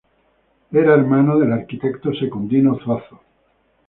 Era hermano del arquitecto Secundino Zuazo.